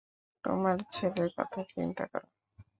তোমার ছেলের কথা চিন্তা কর।